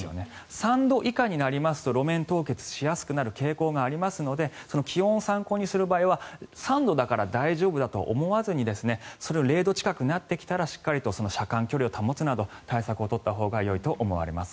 ３度以下になりますと路面凍結しやすくなる傾向がありますので気温を参考にする場合は３度だから大丈夫だと思わずに０度近くになってきたらしっかりと車間距離を保つなど対策を取ったほうがいいと思われます。